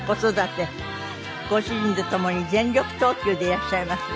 ご主人と共に全力投球でいらっしゃいます。